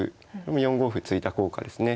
４五歩突いた効果ですね。